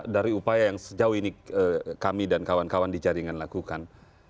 dari upaya yang sejauh ini kami dan kawan kawan di jaringan lakukan